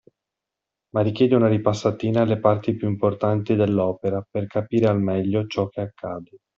Ma richiede una ripassatina alle parti più importanti dell’opera per capire al meglio ciò che accade.